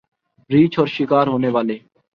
ریچھ اور شکار ہونے والے